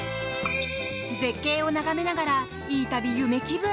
絶景を眺めながらいい旅夢気分！